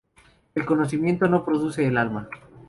El conocimiento no produce el alma.